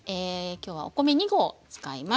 今日はお米２合を使います。